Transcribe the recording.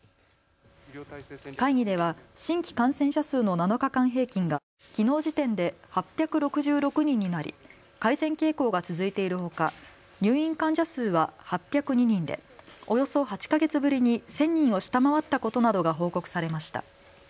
会議では新規感染者数の７日間平均がきのう時点で８６６人になり改善傾向が続いているほか入院患者数は８０２人でおよそ８か月ぶりに１０００人を下回ったことなどが報告されました。